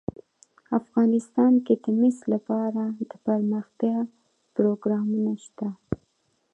افغانستان کې د مس لپاره دپرمختیا پروګرامونه شته.